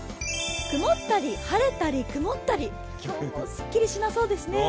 くもったり晴れたりくもったり今日もすっきりしなそうですね。